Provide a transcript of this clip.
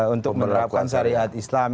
untuk menerapkan syariat islam